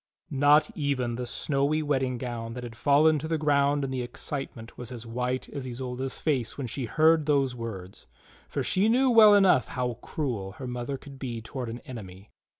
Not even the snowy wedding gown that had fallen to the ground in the excitement was as white as Isolda's face when she heard those words, for she knew well enough how cruel her mother could be toward an enemy.